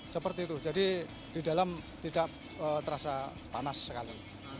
seperti itu jadi di dalam tidak terasa panas sekali